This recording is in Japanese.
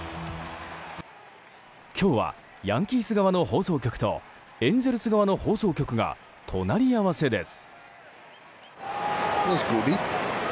今日はヤンキース側の放送局とエンゼルス側の放送局が隣り合わせです。